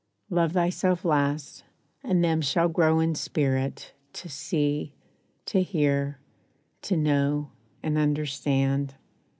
Love thyself last, and them shall grow in spirit To see, to hear, to know, and understand.